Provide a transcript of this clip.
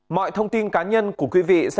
mọi thông tin cá nhân của quý vị sẽ được bảo mật